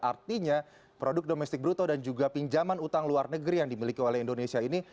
artinya produk domestik bruto dan juga pinjaman utang luar negeri yang dimiliki oleh indonesia ini